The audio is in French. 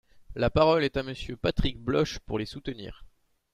La parole est à Monsieur Patrick Bloche, pour les soutenir.